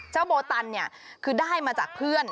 โบตันเนี่ยคือได้มาจากเพื่อน